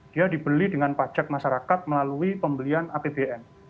dia dibeli dengan pajak masyarakat melalui pembelian apbn